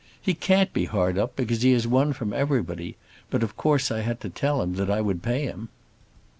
He can't be hard up because he has won from everybody; but of course I had to tell him that I would pay him.